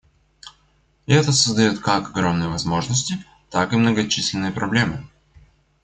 И это создает как огромные возможности, так и многочисленные проблемы.